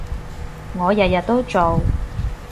我日日都做